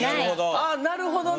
あなるほどね。